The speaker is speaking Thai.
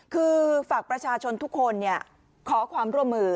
คือฝากประชาชนทุกคนขอความร่วมมือ